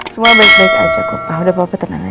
semua baik baik aja kok